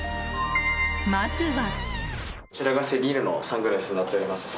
まずは。